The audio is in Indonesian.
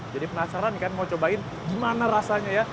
jadi penasaran nih kan mau cobain gimana rasanya ya